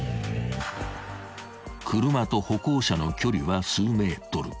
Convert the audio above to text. ［車と歩行者の距離は数ｍ］